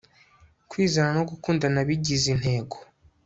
kwizera no gukunda nabigize intego